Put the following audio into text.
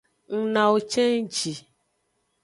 Ng nawo cenji.